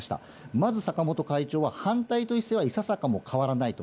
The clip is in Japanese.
まず坂本会長は、反対という姿勢はいささかも変わらないと。